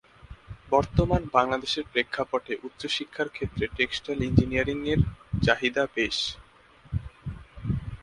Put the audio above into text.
বর্তমান বাংলাদেশের প্রেক্ষাপটে উচ্চশিক্ষার ক্ষেত্রে টেক্সটাইল ইঞ্জিনিয়ারিংয়ের চাহিদা বেশ।